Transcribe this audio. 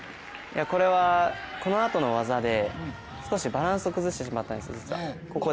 これはこのあとの技で少しバランスを崩してしまったんですよ、実は。